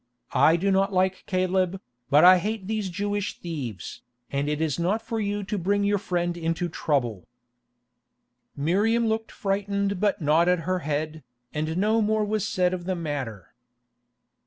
I do not like Caleb, but I hate these Jewish thieves, and it is not for you to bring your friend into trouble." Miriam looked frightened but nodded her head, and no more was said of the matter.